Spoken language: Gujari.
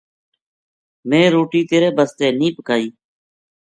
میں روٹی تیرے بسطے نیہہ پکائی ‘‘